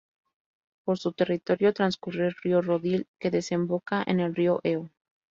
Por su territorio transcurre el río Rodil que desemboca en el río Eo.